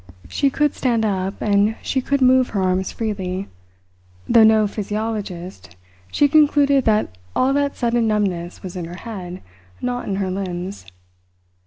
She could stand up, and she could move her arms freely. Though no physiologist, she concluded that all that sudden numbness was in her head, not in her limbs.